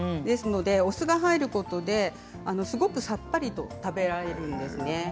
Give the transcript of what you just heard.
お酢が入ることですごくさっぱりと食べられるんですね。